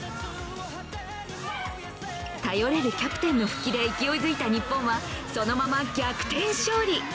頼れるキャプテンの復帰で勢いづいた日本はそのまま逆転勝利。